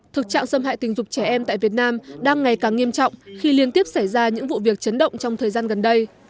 thực trạng xâm hại tình dục trẻ em tại việt nam đang ngày càng nghiêm trọng khi liên tiếp xảy ra những vụ việc chấn động trong thời gian gần đây